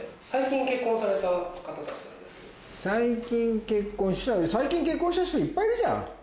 最近結婚した最近結婚した人いっぱいいるじゃん。